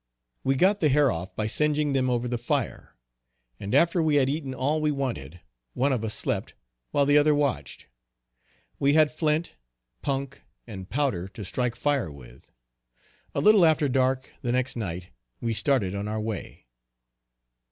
We got the hair off by singeing them over the fire, and after we had eaten all we wanted, one of us slept while the other watched. We had flint, punk, and powder to strike fire with. A little after dark the next night, we started on our way.